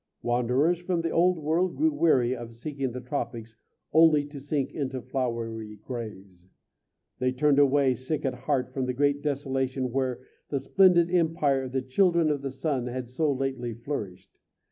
Wanderers from the Old World grew weary of seeking the tropics only to sink into flowery graves. They turned away sick at heart from the great desolation where the splendid empire of the Children of the Sun had so lately flourished.